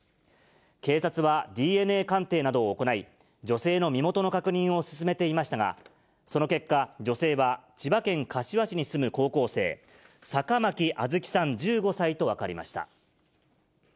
警察はＤＮＡ鑑定などを行い、女性の身元の確認を進めていましたが、その結果、女性は千葉県柏市に住む高校生、坂巻杏月さん１５歳と分かりました。